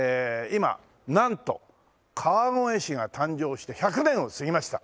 今なんと川越市が誕生して１００年を過ぎました。